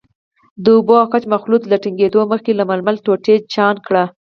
د اوبو او ګچ مخلوط له ټینګېدو مخکې له ململ ټوټې چاڼ کړئ.